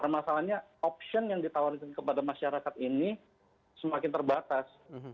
masalahnya opsi yang ditawarkan kepada masyarakat ini semakin terbatas